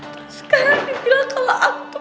terus sekarang dibilang kalau aku